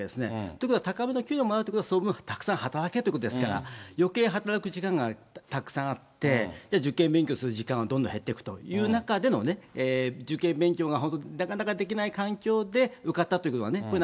ということは、高めの給料をもらっているということは、その分、たくさん働けということですから、よけい働く時間がたくさんあって、受験勉強する時間はどんどん減っていくという中での受験勉強が本当になかなかできない環境で受かったということは、これ、